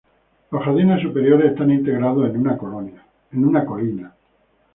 Los jardines superiores están integrados en una colina.